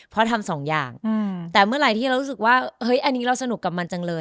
เพราะทำสองอย่างแต่เมื่อไหร่ที่เรารู้สึกว่าเฮ้ยอันนี้เราสนุกกับมันจังเลย